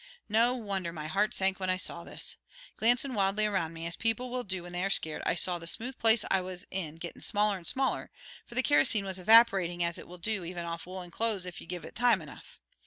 No wonder my heart sank when I saw this. Glancin' wildly around me, as people will do when they are scared, I saw the smooth place I was in gettin' smaller and smaller, for the kerosene was evaporating as it will do even off woolen clothes if you give it time enough.